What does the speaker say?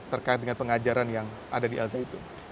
terkait dengan pengajaran yang ada di azzaitun